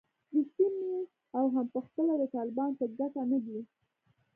د سیمې او هم پخپله د طالبانو په ګټه نه دی